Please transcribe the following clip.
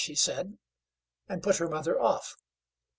she said, and put her mother off.